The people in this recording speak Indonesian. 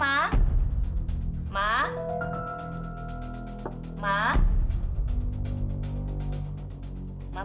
pasti mama kesel banget